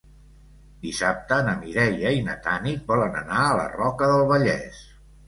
Dissabte na Mireia i na Tanit volen anar a la Roca del Vallès.